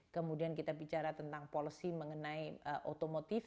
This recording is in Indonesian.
kemudian kita bicara tentang policy mengenai otomotif